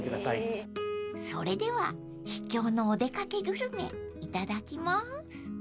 ［それでは秘境のお出掛けグルメいただきます］